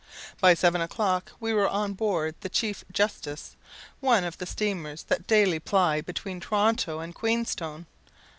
By seven o'clock we were on board the "Chief Justice," one of the steamers that daily ply between Toronto and Queenstone.